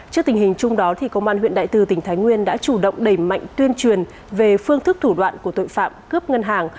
trước tình hình chung đó công an huyện đại từ tỉnh thái nguyên đã chủ động đẩy mạnh tuyên truyền về phương thức thủ đoạn của tội phạm cướp ngân hàng